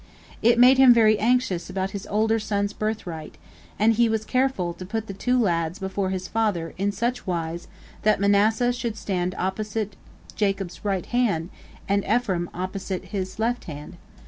It made him very anxious about his older son's birthright, and he was careful to put the two lads before his father in such wise that Manasseh should stand opposite Jacob's right hand, and Ephraim opposite his left hand.